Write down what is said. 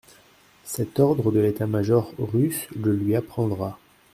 Cet ordre de l'état-major russe le lui apprendra.